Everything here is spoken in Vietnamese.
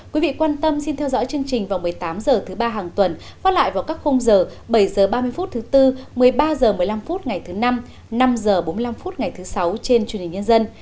quý vị quan tâm xin theo dõi chương trình vào một mươi tám h thứ ba hàng tuần phát lại vào các khung giờ bảy h ba mươi phút thứ tư một mươi ba h một mươi năm phút ngày thứ năm năm h bốn mươi năm phút ngày thứ sáu trên truyền hình nhân dân